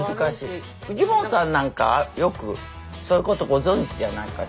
フジモンさんなんかよくそういうことご存じじゃないかしら？